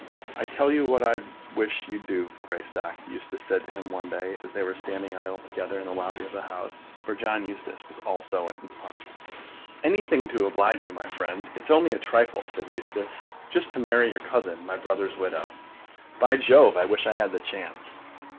"I tell you what I wish you'd do, Greystock," Eustace said to him one day, as they were standing idly together in the lobby of the House. For John Eustace was also in Parliament. "Anything to oblige you, my friend." "It's only a trifle," said Eustace. "Just to marry your cousin, my brother's widow." "By Jove, I wish I had the chance!"